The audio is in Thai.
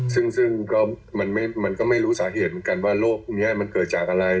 ซึ่งก็มันก็ไม่รู้สาเหตุเหมือนกันว่าโรคพวกนี้มันเกิดจากอะไร